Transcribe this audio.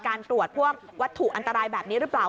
การตรวจพวกวัตถุอันตรายแบบนี้หรือเปล่า